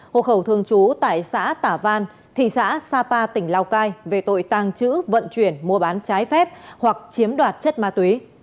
hộ khẩu thường trú tại xã tả văn thị xã sapa tỉnh lào cai về tội tàng trữ vận chuyển mua bán trái phép hoặc chiếm đoạt chất ma túy